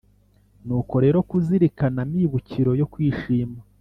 nuko rero kuzirikana amibukiro yo kwishima